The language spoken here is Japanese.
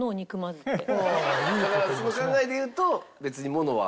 だからその考えで言うと別に物は。